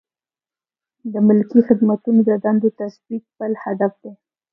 د ملکي خدمتونو د دندو تثبیت بل هدف دی.